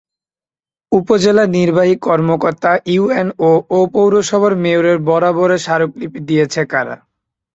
উপজেলা নির্বাহী কর্মকর্তা ইউএনও ও পৌরসভার মেয়রের বরাবরে স্মারকলিপি দিয়েছে কারা?